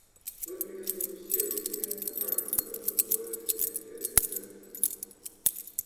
Мы приветствуем все усилия, направленные на то, чтобы положить конец этой тенденции.